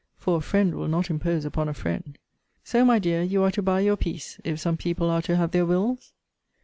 for a friend will not impose upon a friend. So, my dear, you are to buy your peace, if some people are to have their wills!